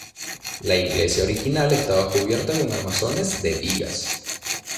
La iglesia original estaba cubierta con armazones de vigas.